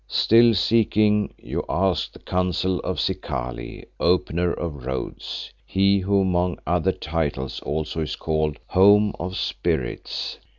Still seeking, you asked the counsel of Zikali, Opener of Roads, he who among other titles is also called 'Home of Spirits.